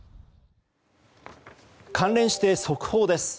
関連して、速報です。